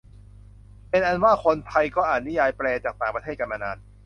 เป็นอันว่าคนไทยก็อ่านนิยายแปลจากต่างประเทศกันมานาน